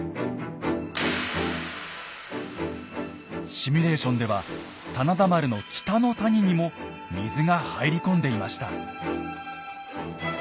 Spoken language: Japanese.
シミュレーションでは真田丸の北の谷にも水が入り込んでいました。